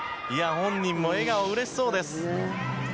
本人も笑顔、うれしそうです。